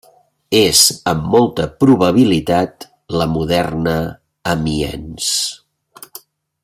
És amb molta probabilitat la moderna Amiens.